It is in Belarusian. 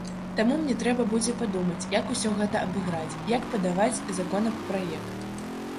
Таму мне трэба будзе падумаць, як усё гэта абыграць, як падаваць законапраект.